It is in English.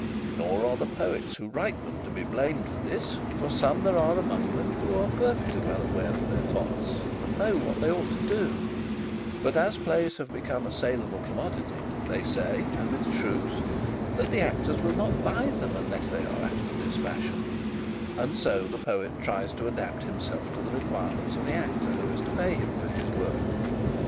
Nor are the poets who write them to be blamed for this; for some there are among them who are perfectly well aware of their faults, and know what they ought to do; but as plays have become a salable commodity, they say, and with truth, that the actors will not buy them unless they are after this fashion; and so the poet tries to adapt himself to the requirements of the actor who is to pay him for his work.